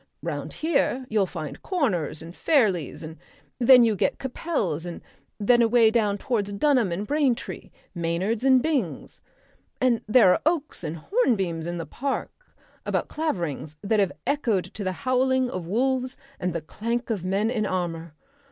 Round here you'll find Corners and Fairlies, and then you get Capels, and then away down towards Dunmow and Braintree Maynards and Byngs. And there are oaks and hornbeams in the park about Claverings that have echoed to the howling of wolves and the clank of men in armour.